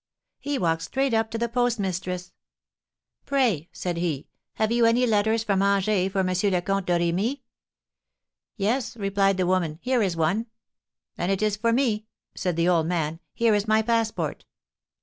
He walked straight up to the postmistress. 'Pray,' said he, 'have you any letters from Angers for M. le Comte de Remy?' 'Yes,' replied the woman, 'here is one.' 'Then it is for me,' said the old man; 'here is my passport.'